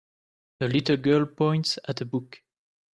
A little girl points at a book.